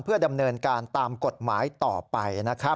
เพื่อดำเนินการตามกฎหมายต่อไปนะครับ